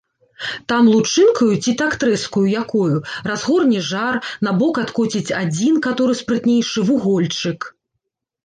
Там лучынкаю, ці так трэскаю якою, разгорне жар, набок адкоціць адзін, каторы спрытнейшы, вугольчык.